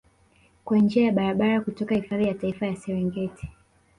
kwa njia ya barabara kutoka hifadhi ya Taifa ya Serengeti